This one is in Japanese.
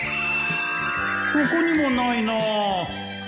ここにもないなあ